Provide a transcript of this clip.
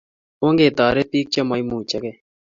Ongetaret pik che maimuche kee